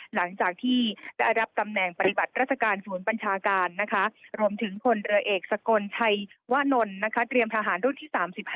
หลังจากที่ได้รับตำแหน่งปฏิบัติราชการศูนย์บัญชาการนะคะรวมถึงคนเรือเอกสกลชัยวะนนท์เตรียมทหารรุ่นที่๓๕